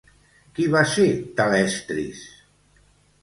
Qui va ser Talestris?